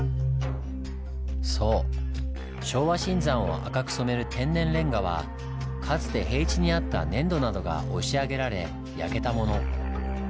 そう昭和新山を赤く染める天然レンガはかつて平地にあった粘土などが押し上げられ焼けたもの。